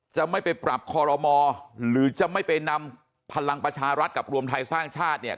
จะไม่ไปปรับคอรมอหรือจะไม่ไปนำพลังประชารัฐกับรวมไทยสร้างชาติเนี่ย